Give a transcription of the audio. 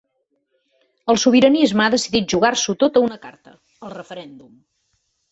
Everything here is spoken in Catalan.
El sobiranisme ha decidit jugar-s’ho tot a una carta: el referèndum.